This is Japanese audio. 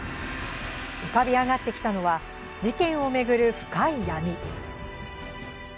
浮かび上がってきたのは事件を巡る深い闇。